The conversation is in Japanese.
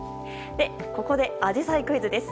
ここでアジサイクイズです。